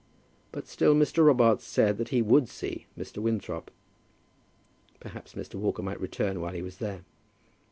But still Mr. Robarts said that he would see Mr. Winthrop. Perhaps Mr. Walker might return while he was there.